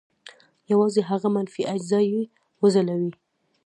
یوازې هغه منفي اجزا یې وځلوي.